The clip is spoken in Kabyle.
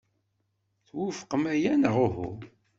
Twufqeḍ aya neɣ uhu?